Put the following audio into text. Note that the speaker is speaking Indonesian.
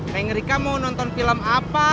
mengrika mau nonton film apa